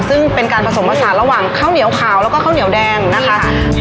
ซึ่งเป็นการผสมผสานระหว่างข้าวเหนียวขาวแล้วก็ข้าวเหนียวแดงนะคะ